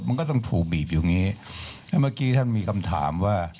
มันก็ต้องถูกบีบอยู่อย่างงี้แล้วเมื่อกี้ท่านมีคำถามว่า